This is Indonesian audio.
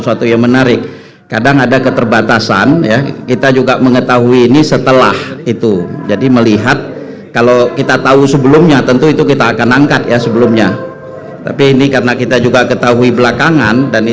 untuk merespon apa yang tadi terjadi